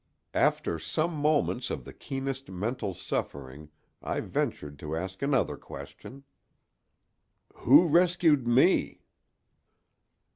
After some moments of the keenest mental suffering I ventured to ask another question: "Who rescued me?"